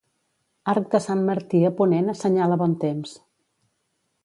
Arc de sant Martí a ponent assenyala bon temps.